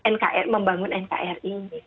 nkri membangun nkri ini